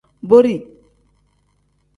Borii.